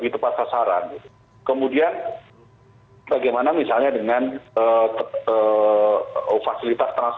terus di other room juga nusantara